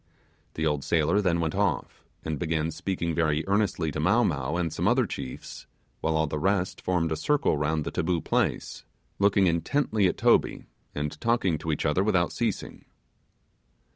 The old sailor then went off, and began speaking very earnestly to Mow Mow and some other chiefs, while all the rest formed a circle round the taboo place, looking intently at Toby, and talking to each other without ceasing.